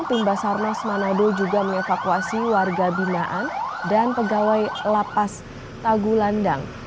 tim basarnas manado juga mengevakuasi warga binaan dan pegawai lapas tagulandang